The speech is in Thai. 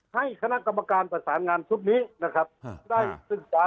ให้คณะกรรมการประสานงานทุกวันต่างนะครับ